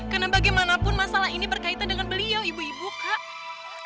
karena bagaimanapun masalah ini berkaitan dengan beliau ibu ibu kak